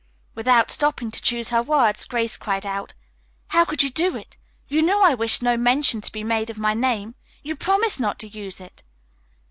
Without stopping to choose her words, Grace cried out: "How could you do it? You knew I wished no mention to be made of my name. You promised not to use it."